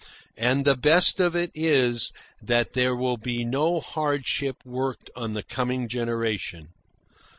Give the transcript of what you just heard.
And the best of it is that there will be no hardship worked on the coming generation.